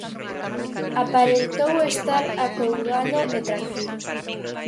Aparentou estar acougado e tranquilo.